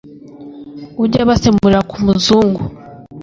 Ujya abasemurira ku Muzungu,